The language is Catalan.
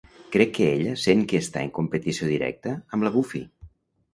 Crec que ella sent que està en competició directa amb la Buffy.